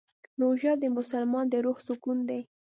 روژه د مسلمان د روح سکون دی.